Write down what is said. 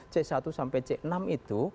c satu sampai c enam itu